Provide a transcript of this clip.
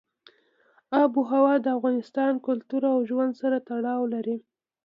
آب وهوا د افغان کلتور او ژوند سره تړاو لري.